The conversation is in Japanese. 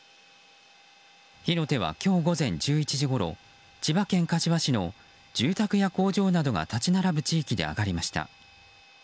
火の手は今日午前１１時ごろ千葉県柏市の住宅や工場などが立ち並ぶ地域で上がりました。